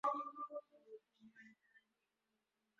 কি করবো বল, সব টাকা তো দালালির জন্য কেটে নেয় তারা।